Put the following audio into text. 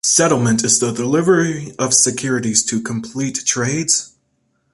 Settlement is the delivery of securities to complete trades.